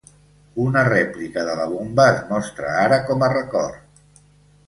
Una rèplica de la bomba es mostra ara com a record.